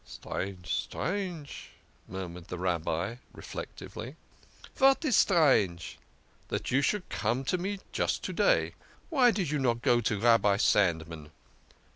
"Strange strange," murmured the Rabbi reflectively. " Vat is strange ?"" That you should come to me just to day. But why did you not go to Rabbi Sandman?